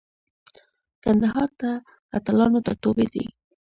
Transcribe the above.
کندهار د اتلانو ټاټوبی دی.